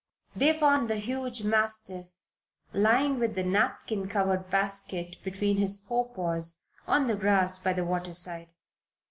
They found the huge mastiff lying with the napkin covered basket between his forepaws, on the grass by the water side.